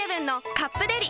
「カップデリ」